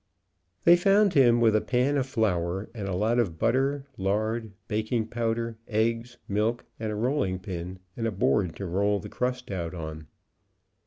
They fo x und him with a pan of flour, and a lot of butter, lard, baking powder, eggs, milk and a rolling pin and a board to roll out the crust on.